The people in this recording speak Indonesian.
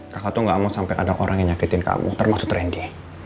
kakak tuh gak mau sampai ada orang yang nyakitin kamu termasuk trendy